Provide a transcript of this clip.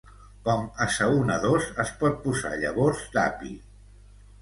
Com assaonadors es pot posar llavors d'api.